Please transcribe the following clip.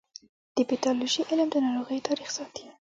د پیتالوژي علم د ناروغیو تاریخ ساتي.